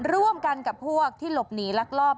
ร่วมกันกับพวกที่หลบหนีลักลอบ